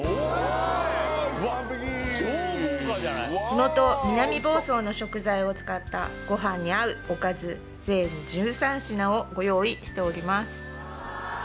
地元・南房総の食材を使ったご飯に合うおかず全１３品をご用意しております